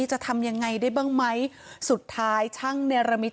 จะทำยังไงได้บ้างไหมสุดท้ายช่างเนรมิต